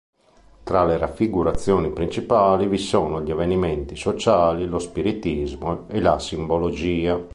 Tra le raffigurazioni principali vi sono gli avvenimenti sociali, lo spiritismo e la simbologia.